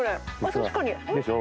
確かに！